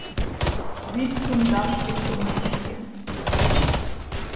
Вӱд пундашке шумешке.